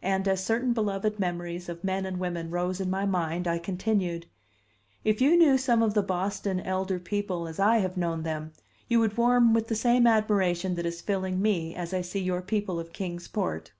And, as certain beloved memories of men and women rose in my mind, I continued: "If you knew some of the Boston elder people as I have known them, you would warm with the same admiration that is filling me as I see your people of Kings Port."